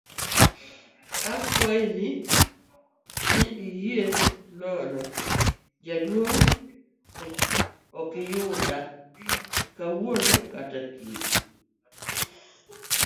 awachoni ni iaye nono jaduong',okiyuda kawuono kata kiny